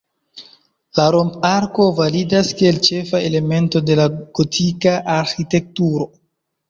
La romp-arko validas kiel ĉefa elemento de la gotika arĥitekturo.